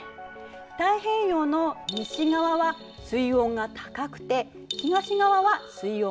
太平洋の西側は水温が高くて東側は水温が低い。